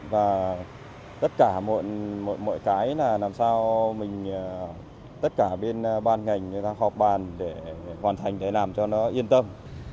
và tất cả mọi cái là làm sao mình tất cả bên ban ngành người ta họp bàn để hoàn thành để làm cho nó yên tâm